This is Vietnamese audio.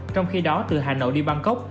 trong khi đó từ hà nội đi bangkok